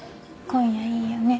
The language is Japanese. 今夜いいよね？